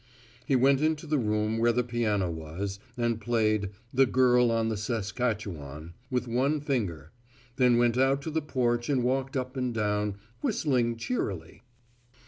He went into the room where the piano was, and played "The Girl on the Saskatchewan" with one finger; then went out to the porch and walked up and down, whistling cheerily.